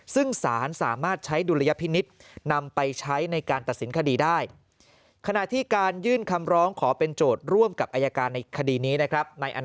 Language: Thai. ซึ่งสารสามารถใช้ดุลยพินิษฐ์นำไปใช้ในการตัดสินคดีได้